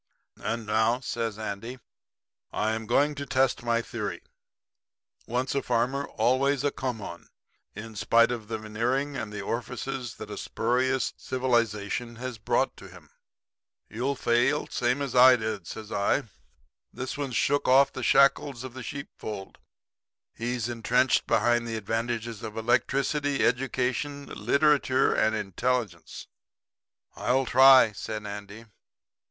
And now,' says Andy, 'I am going to test my theory "Once a farmer, always a come on," in spite of the veneering and the orifices that a spurious civilization has brought to him.' "'You'll fail, same as I did,' says I. 'This one's shook off the shackles of the sheep fold. He's entrenched behind the advantages of electricity, education, literature and intelligence.' "'I'll try,' said Andy.